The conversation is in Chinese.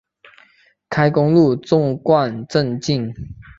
开公路纵贯镇境。